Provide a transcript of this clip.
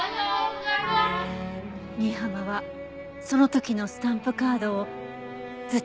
新浜はその時のスタンプカードをずっと持っていたのね。